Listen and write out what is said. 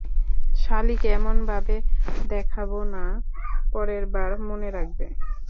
শালিকে এমনভাবে দেখাবো না, পরেরবার মনে রাখবে।